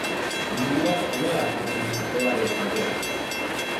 Bibliak honela azaltzen du Evaren sorrera.